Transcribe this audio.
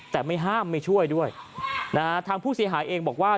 แต่ไม่ห้ามไม่ช่วยด้วยนะฮะทางผู้เสียหายเองบอกว่า